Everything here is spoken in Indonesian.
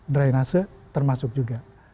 drainase termasuk juga